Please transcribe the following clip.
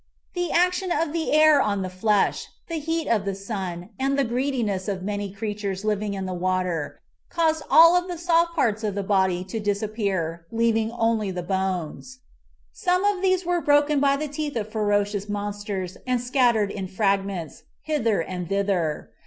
The action of the air on the flesh, the heat of the sun, and the greediness of many creatures living in the water, caused all of the soft parts of the body to disappear leaving only the bones. Some of these were broken by the teeth of ferocious monsters and scattered in fragments, hither and thither.